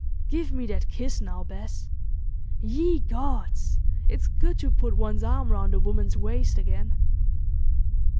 Give me that kiss now, Bess. Ye gods! it's good to put one's arm round a woman's waist again."